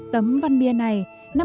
tấm văn bia này